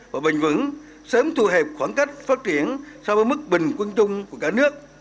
và bền vững sớm thu hẹp khoảng cách phát triển so với mức bình quân chung của cả nước